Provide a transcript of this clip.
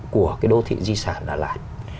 của cái đô thị di sản đà lạt